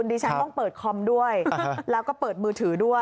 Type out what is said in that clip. ดิฉันต้องเปิดคอมด้วยแล้วก็เปิดมือถือด้วย